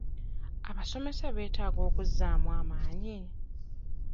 Abasomesa beetaaga okuzzaamu amaanyi?